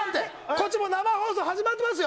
こっち、もう生放送始まってます